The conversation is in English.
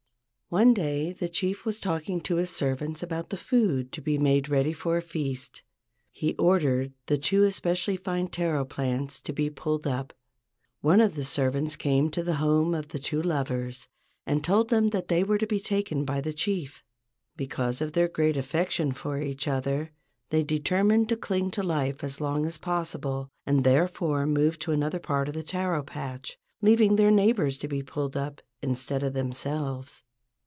One day the chief was talking to his servants about the food to be made ready for a feast. He ordered the two especially fine taro plants to be pulled up. One of the servants came to the home of the two lovers and told them that they were to be taken by the chief. Because of their great affection for each other they determined to cling to life as long as possible, and therefore moved to another part of the taro patch, leaving their neighbors to be pulled up instead of themselves.